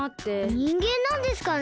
にんげんなんですかね？